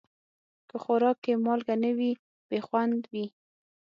که خوراک کې مالګه نه وي، بې خوند وي.